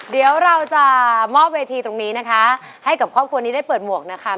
เดี๋ยวเราจะมอบเวทีตรงนี้นะคะให้กับครอบครัวนี้ได้เปิดหมวกนะคะ